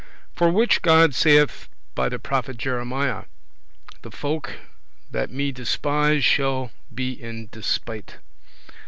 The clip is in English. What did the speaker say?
For which God saith by the prophet Jeremiah; "The folk that me despise shall be in despite."